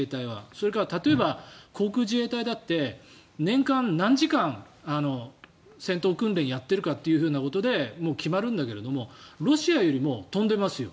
それから例えば航空自衛隊だって年間何時間、戦闘訓練をやっているかということで決まるんだけどもロシアよりも飛んでいますよ。